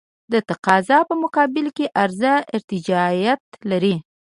د تقاضا په مقابل کې عرضه ارتجاعیت لري.